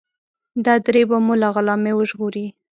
دا درې به مو له غلامۍ وژغوري.